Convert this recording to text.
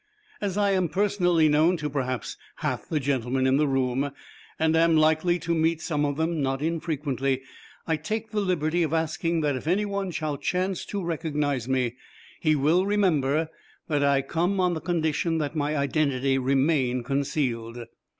As I am personally known to perhaps half the gentlemen in the room, and am likely to meet some of them not infrequently, I take the liberty of asking that if any one shall chance to recognize me, he will remember that I come on the condition that my identity remain concealed.